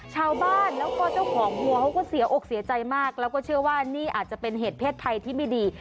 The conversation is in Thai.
ชาวบ้านแล้วก็เจ้าของวัวเขาก็เสียอกเสียใจมากแล้วก็เชื่อว่านี่อาจจะเป็นเหตุเพศภัยที่ไม่ดี